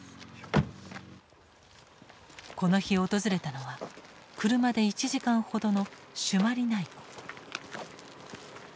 この日訪れたのは車で１時間ほどの朱鞠内湖。